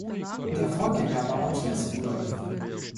Der Vorgänger war Matthias Rudolf.